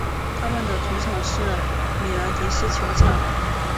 他们的主场是米兰迪斯球场。